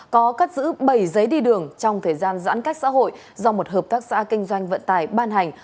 có cắt giữ bảy giấy đi đường trong thời gian giãn cách xã hội do một hợp tác xã kinh doanh vận tải ban hành